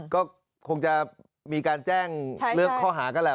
ก็คงจะมีการแจ้งเลือกข้อหากันแหละ